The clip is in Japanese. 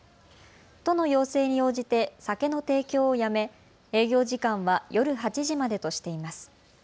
都の要請に応じて酒の提供をやめ営業時間は夜８時までとしています。